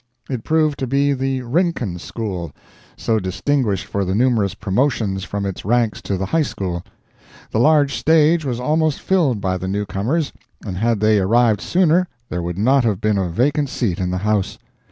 It proved to be the Rincon School, so distinguished for the numerous promotions from its ranks to the High School. The large stage was almost filled by the newcomers, and had they arrived sooner there would not have been a vacant seat in the house.